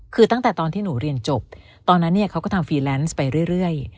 คือตั้งแต่ตอนที่หนูเรียนจบตอนนั้นเนี่ยเขาก็ทำฟรีแลนซ์ไปเรื่อย